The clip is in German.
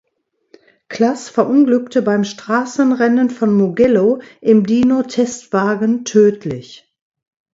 Klass verunglückte beim Straßenrennen von Mugello im Dino Testwagen tödlich.